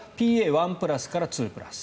１プラスから２プラス。